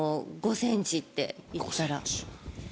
５ｃｍっていったら。